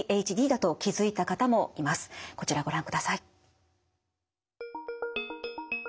こちらをご覧ください。